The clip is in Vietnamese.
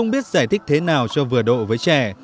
rất giải thích thế nào cho vừa độ với trẻ